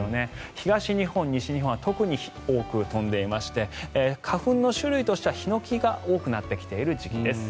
東日本、西日本は特に多く飛んでいまして花粉の種類としてはヒノキが多くなっている時期です。